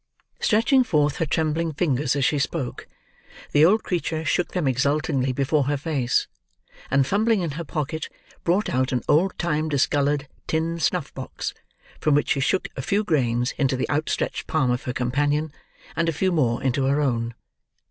Stretching forth her trembling fingers as she spoke, the old creature shook them exultingly before her face, and fumbling in her pocket, brought out an old time discoloured tin snuff box, from which she shook a few grains into the outstretched palm of her companion, and a few more into her own.